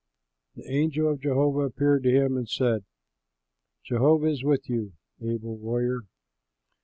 The angel of Jehovah appeared to him and said, "Jehovah is with you, able warrior!"